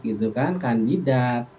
gitu kan kandidat